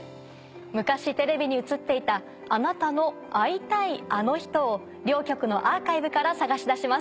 昔テレビに映っていたアナタの会いたいあの人を両局のアーカイブから捜し出します。